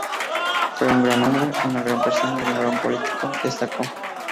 Fue un gran hombre, una gran persona y un gran político"", destacó.